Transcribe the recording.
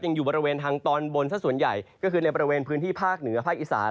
อยู่บริเวณทางตอนบนสักส่วนใหญ่ก็คือในบริเวณพื้นที่ภาคเหนือภาคอีสาน